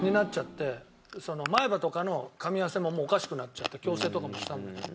前歯とかのかみ合わせももうおかしくなっちゃって矯正とかもしたんだけど。